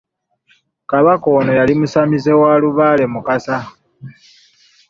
Kabaka ono yali musamize wa lubaale Mukasa